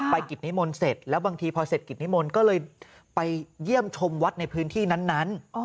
กิจนิมนต์เสร็จแล้วบางทีพอเสร็จกิจนิมนต์ก็เลยไปเยี่ยมชมวัดในพื้นที่นั้น